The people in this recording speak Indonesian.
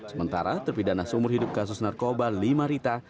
sementara terpidana seumur hidup kasus narkoba lima rita